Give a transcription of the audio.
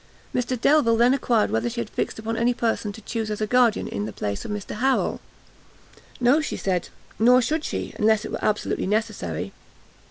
Mr Delvile then enquired whether she had fixed upon any person to choose as a guardian in the place of Mr Harrel. No, she said, nor should she, unless it were absolutely necessary.